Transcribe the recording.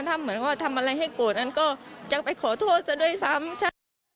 ถ้าเหมือนว่าทำอะไรให้โกรธอันก็จะไปขอโทษซะด้วยซ้ำใช่